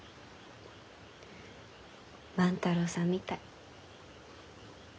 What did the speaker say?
万太郎さんみたい。